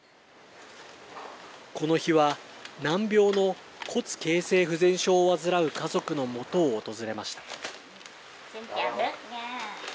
この日は、難病の骨形成不全症を患う家族のもとを訪れました。